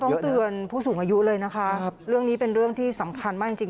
ต้องเตือนผู้สูงอายุเลยนะคะเรื่องนี้เป็นเรื่องที่สำคัญมากจริงจริง